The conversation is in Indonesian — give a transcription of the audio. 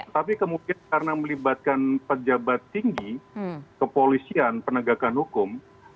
tapi kemudian karena melibatkan pejabat tinggi kepolisian penegakan hukum